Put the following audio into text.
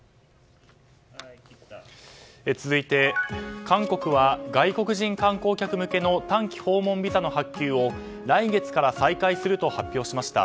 続いて、韓国は外国人観光客向けの短期訪問ビザの発給を来月から再開すると発表しました。